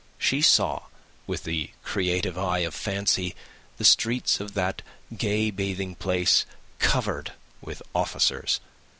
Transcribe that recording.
She saw, with the creative eye of fancy, the streets of that gay bathing place covered with officers.